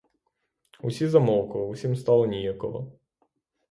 Усі замовкли, усім стало ніяково.